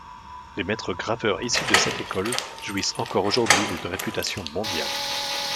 Les Maîtres graveurs issus de cette école, jouissent encore aujourd'hui d'une réputation mondiale.